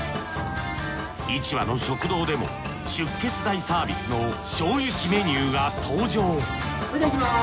市場の食堂でも出血大サービスの衝撃メニューが登場それじゃいきます